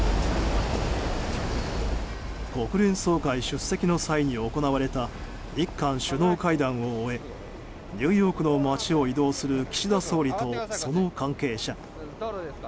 国連総会出席の際に行われた日韓首脳会談を終えニューヨークの街を移動する岸田総理とその関係者。